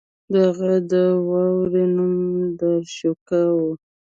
د هغه د ورور نوم داراشکوه و.